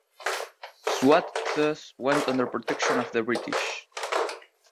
Swat thus went under protection of the British.